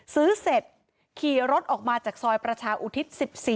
เสร็จขี่รถออกมาจากซอยประชาอุทิศ๑๔